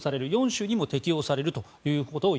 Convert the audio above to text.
４州にも適用されると。